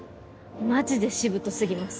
マジでしぶと過ぎます